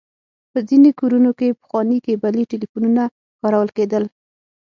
په ځينې کورونو کې پخواني کيبلي ټليفونونه کارول کېدل.